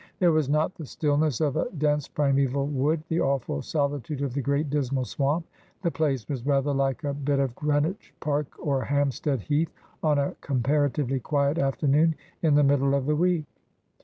There was not the stillness of a dense primeval wood, the awful solitude of the Great Dismal Swamp. The place was rather like a bit of Greenwich Park or Hampstead Heath on a comparatively quiet afternoon in the middle of the week.